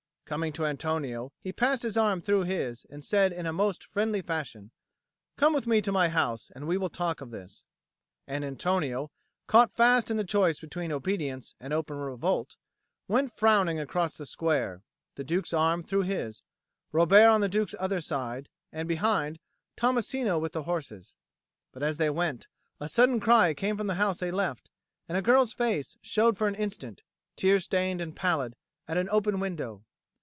Coming to Antonio, he passed his arm through his, and said in most friendly fashion: "Come with me to my house, and we will talk of this;" and Antonio, caught fast in the choice between obedience and open revolt, went frowning across the square, the Duke's arm through his, Robert on the Duke's other side, and, behind, Tommasino with the horses. But as they went, a sudden cry came from the house they left, and a girl's face showed for an instant, tear stained and pallid, at an open window.